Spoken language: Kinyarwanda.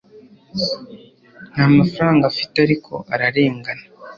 nta mafaranga afite, ariko ararengana